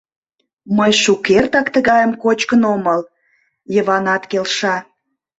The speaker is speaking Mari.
Мый шукертак тыгайым кочкын омыл, — Йыванат келша.